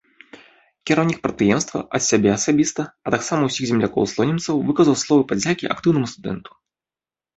Кіраўнік прадпрыемства ад сябе асабіста, а таксама ўсіх землякоў-слонімцаў выказаў словы падзякі актыўнаму студэнту.